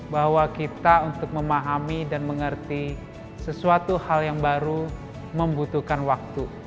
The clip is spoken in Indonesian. bahwa kita untuk memahami dan mengerti sesuatu hal yang baru membutuhkan waktu